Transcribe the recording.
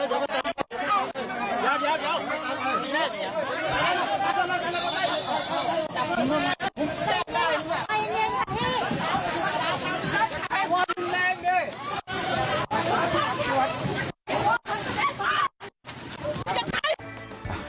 โอ้โฮแทบจะเสียสติล้อมไห้ล้อมไห้